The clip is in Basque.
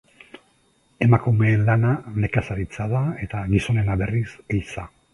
Emakumeen lana nekazaritza da eta gizonena berriz ehiza.